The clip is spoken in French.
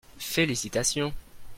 Félicitations.